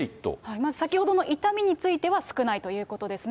まず、先ほどの痛みについては少ないということですね。